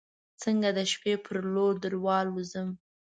څنګه د شپې پر لور دروالوزم